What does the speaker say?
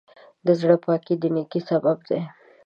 د زړۀ پاکي د نیکۍ سبب دی.